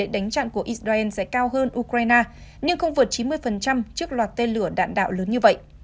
đánh chặn của israel sẽ cao hơn ukraine nhưng không vượt chín mươi trước loạt tên lửa đạn đạo lớn như vậy